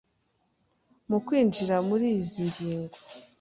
Mu kwinjira muri izi ngingo